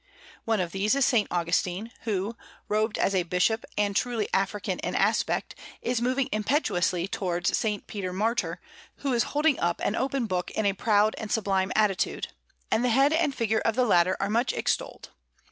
One of these is S. Augustine, who, robed as a Bishop and truly African in aspect, is moving impetuously towards S. Peter Martyr, who is holding up an open book in a proud and sublime attitude: and the head and figure of the latter are much extolled.